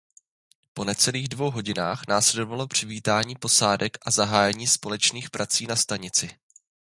Po necelých dvou hodinách následovalo přivítání posádek a zahájení společných operací na stanici.